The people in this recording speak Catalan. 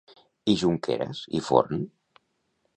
I Junqueras i Forn?